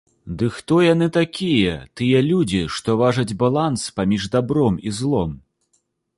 Ды хто яны такія, тыя людзі, што важаць баланс паміж дабром і злом?!